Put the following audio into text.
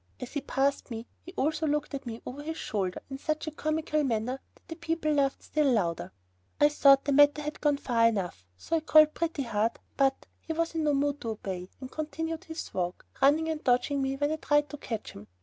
As he passed me, he also looked at me over his shoulder in such a comical manner that the people laughed still louder. I thought the matter had gone far enough, so I called Pretty Heart, but he was in no mood to obey, and continued his walk, running and dodging me when I tried to catch him.